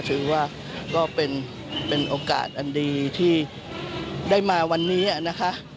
ถือว่าก็เป็นโอกาสอันดีที่ได้มาวันนี้นะคะ